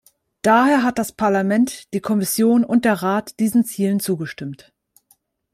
Daher hat das Parlament, die Kommission und der Rat diesen Zielen zugestimmt.